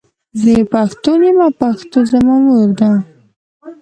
زۀ یو پښتون یم او پښتو زما مور ده.